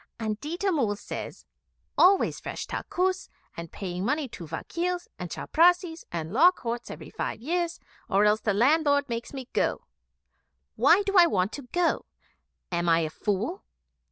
And Ditta Mull says, "Always fresh takkus and paying money to vakils and chaprassis and law courts every five years, or else the landlord makes me go. Why do I want to go? Am I a fool?